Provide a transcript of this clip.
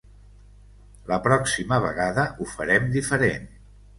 La pròxima vegada ho farem diferent.